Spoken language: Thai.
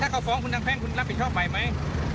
ถ้าเขาฟ้องคุณทางแพงคุณรับผิดชอบไปไหม